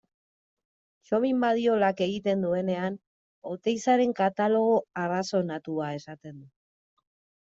Txomin Badiolak egiten duenean Oteizaren katalogo arrazonatua esaten du.